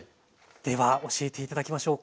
では教えて頂きましょう。